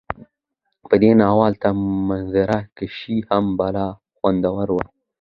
په دې ناول ته منظره کشي هم بلا خوندوره وه